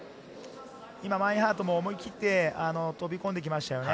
今、マインハートも思い切って飛び込んできましたよね。